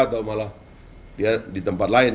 atau malah dia di tempat lain